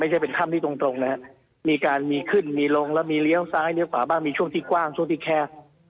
ไม่ใช่เป็นถ้ำที่ตรงนะครับมีการมีขึ้นมีลงแล้วมีเลี้ยวซ้ายเลี้ยวขวาบ้างมีช่วงที่กว้างช่วงที่แคบ